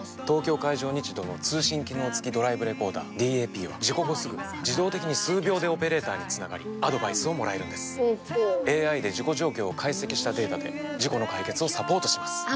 東京海上日動の通信機能付きドライブレコーダーＤＡＰは事故後すぐ自動的に数秒でオペレーターにつながりアドバイスをもらえるんですＡＩで事故状況を解析したデータで事故の解決をサポートします